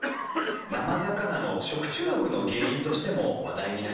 生魚の食中毒の原因としても話題になりましたよね。